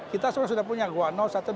kita sudah punya goa